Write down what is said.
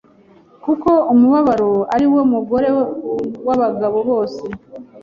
kuko umubabaro ari wo mugore wabagabo bose